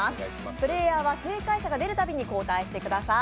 プレーヤーは正解者が出るたびに交代してください。